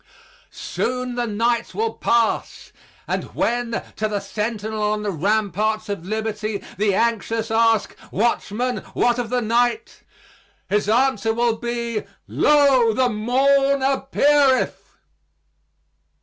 Soon the night will pass; and when, to the Sentinel on the ramparts of Liberty the anxious ask: "Watchman, what of the night?" his answer will be "Lo, the morn appeareth."